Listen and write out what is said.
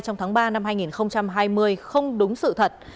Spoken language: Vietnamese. trong tháng ba năm hai nghìn hai mươi không đúng sự thật